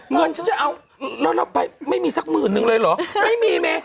เงินฉันจะเอาแล้วเราไปไม่มีสักหมื่นนึงเลยเหรอไม่มีเม